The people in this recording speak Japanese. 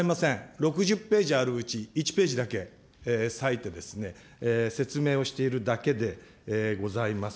６０ページあるうち１ページだけ割いて、説明をしているだけでございます。